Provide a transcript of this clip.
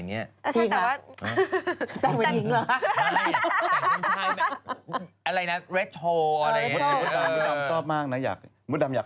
ไม่ได้ผู้ชายก็แต่งตัวได้เนี่ยสมัยนี้